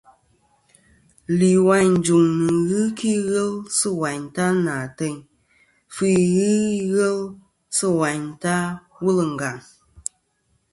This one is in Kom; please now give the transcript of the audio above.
Lìwàyn ɨ jùŋ nɨ̀n ghɨ kɨ ighel sɨ̂ wàyn ta nà àteyn, fî ghɨ ighel sɨ̂ wayn ta wul ɨ ngàŋ.